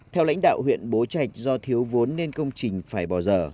theo lãnh đạo huyện bố trạch do thiếu vốn nên công trình phải bỏ dở